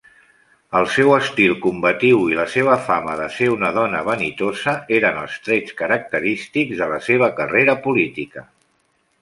El seu estil combatiu i la seva fama de ser una dona vanitosa eren els trets característics de la seva carrera política.